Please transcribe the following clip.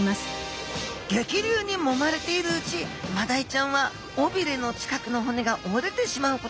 激流にもまれているうちマダイちゃんは尾びれの近くの骨が折れてしまうことがあります。